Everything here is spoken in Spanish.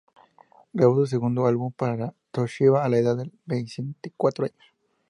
Grabó su segundo álbum para Toshiba a la edad de veinticuatro años.